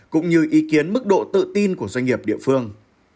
cũng như ý kiến mức độ tự tin của doanh nghiệp địa phương